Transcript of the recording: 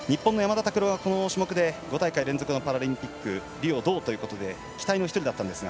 この種目で５大会連続のパラリンピックリオ銅ということで期待の１人でしたが。